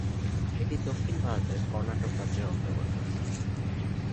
এটি দক্ষিণ ভারতের কর্ণাটক রাজ্যের অন্তর্গত।